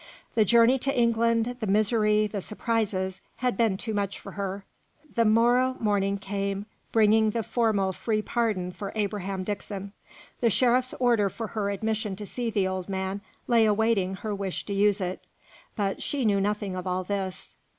The journey to England, the misery, the surprises, had been too much for her. The morrow morning came, bringing the formal free pardon for Abraham Dixon. The sheriff's order for her admission to see the old man lay awaiting her wish to use it; but she knew nothing of all this.